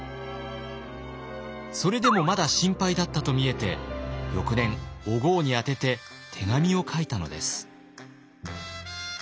それでもまだ心配だったと見えて翌年お江に宛てて手紙を書いたのです。